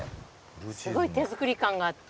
すごい手作り感があって。